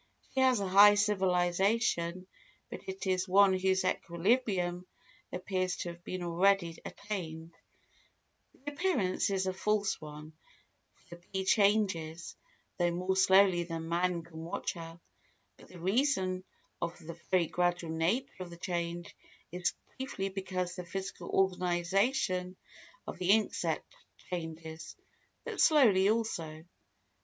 She has a high civilisation but it is one whose equilibrium appears to have been already attained; the appearance is a false one, for the bee changes, though more slowly than man can watch her; but the reason of the very gradual nature of the change is chiefly because the physical organisation of the insect changes, but slowly also.